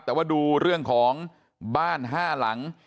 แต่ว่าดูเรื่องของบ้าน๕หลัง